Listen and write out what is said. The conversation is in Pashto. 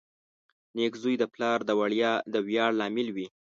• نېک زوی د پلار د ویاړ لامل وي.